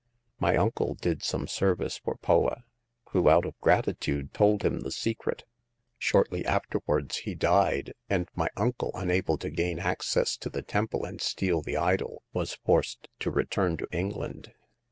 My uncle did some service for Poa, who, out of gratitude, told him the secret. Shortly afterwards he died, and my uncle, unable to gain access to the temple and steal the idol, 7 98 Hagar of the Pawn Shop. was forced to return to England.